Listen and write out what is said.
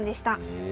へえ。